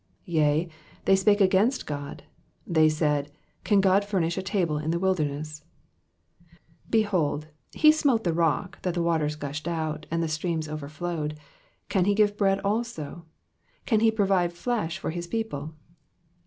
19 Yea, they spake against God ; they said, Can God furnish a table in the wilderness r 20 Behold, he smote the rock, that the waters gushed out, and the streams overflowed ; can he give bread also ? can he provide flesh for his people